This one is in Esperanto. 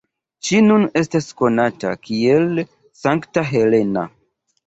Ŝi nun estas konata kiel Sankta Helena.